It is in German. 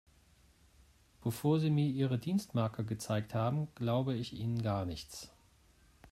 Bevor Sie mir Ihre Dienstmarke gezeigt haben, glaube ich Ihnen gar nichts.